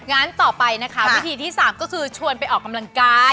งั้นต่อไปนะคะวิธีที่๓ก็คือชวนไปออกกำลังกาย